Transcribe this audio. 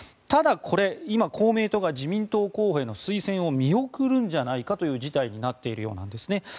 ただ、これ、今公明党が自民党候補への推薦を見送るんじゃないかという事態になっているわけです。